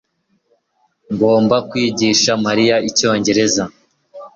Ngomba kwigisha Mariya Icyongereza